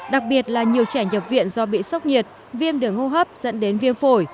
đặc biệt là nhiều trẻ nhập viện do bị sốc nhiệt viêm đường hô hấp dẫn đến viêm phổi